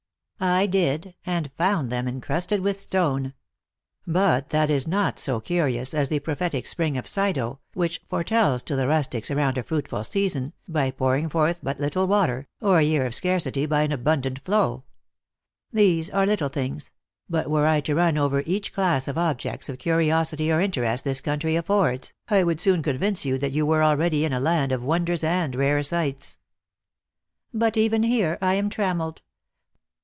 " I did, and found them incrnsted with stone. But that is not so curious as the prophetic spring of Xido, which foretells to the rustics around a fruitful season, by pouring forth but little water, or a year of scarcity by an abundant flow. These are little things; but were I to run over each class of objects of curiosity or interest this country affords, I would soon convince you that you were already in a land of wonders and rare sights." " But even here I am trammeled.